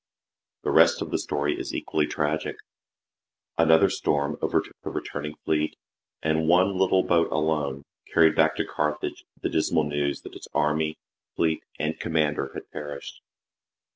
The rest of the story is equally tragic. Another storm overtook the returning fleet, and one little boat alone carried back to Carthage the dismal news that its army, fleet, and commander had perished.